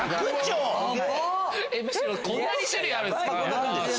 こんなに種類あるんですか！